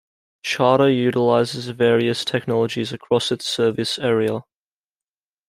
Charter utilizes various technologies across its service area.